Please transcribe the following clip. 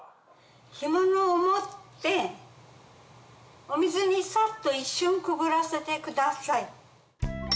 干物を持ってお水にサッと一瞬くぐらせてください。